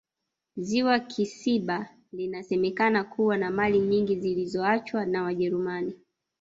ziwa kisiba linasemekana kuwa na mali nyingi zilizoachwa na wajerumani